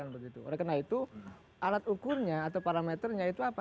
oleh karena itu alat ukurnya atau parameternya itu apa